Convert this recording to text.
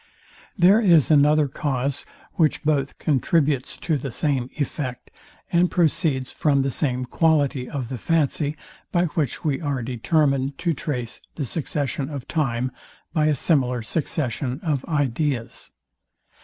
There is another cause, which both contributes to the same effect, and proceeds from the same quality of the fancy, by which we are determined to trace the succession of time by a similar succession of ideas.